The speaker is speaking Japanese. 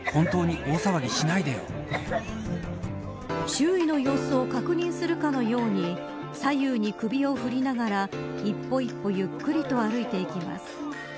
周囲の様子を確認するかのように左右に首を振りながら一歩一歩ゆっくりと歩いていきます。